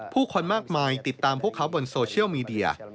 คนมากมายติดตามพวกเขาบนโซเชียลมีเดีย